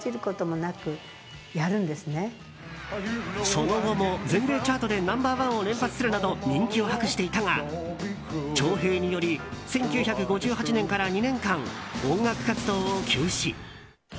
その後も全米チャートでナンバー１を連発するなど人気を博していたが徴兵により１９５８年から２年間音楽活動を休止。